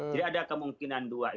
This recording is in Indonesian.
jadi ada kemungkinan dua